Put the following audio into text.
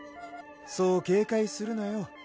そう警戒するなよ